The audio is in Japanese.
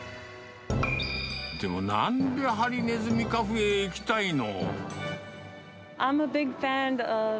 でもなんで、ハリネズミカフェへ行きたいの？